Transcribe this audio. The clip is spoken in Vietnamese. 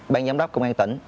ban giám đốc công an tỉnh